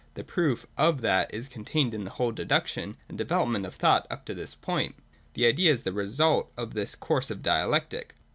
The proof of that is contained in the whole deduction and development of thought up to this point. The idea is the result of this course of dialectic.